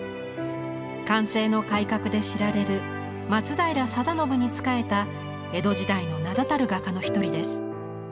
寛政の改革で知られる松平定信に仕えた江戸時代の名だたる画家の一人です。